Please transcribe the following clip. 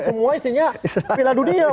semua isinya pilihan dunia